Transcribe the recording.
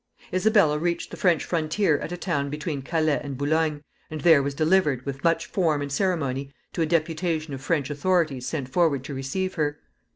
Isabella reached the French frontier at a town between Calais and Boulogne, and there was delivered, with much form and ceremony, to a deputation of French authorities sent forward to receive her.